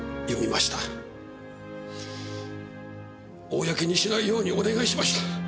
公にしないようにお願いしました。